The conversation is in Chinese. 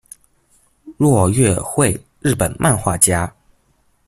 若月惠，日本漫画家。